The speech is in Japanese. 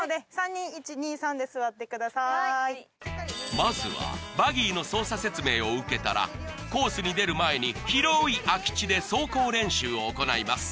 まずはバギーの操作説明を受けたらコースに出る前に広い空き地で走行練習を行います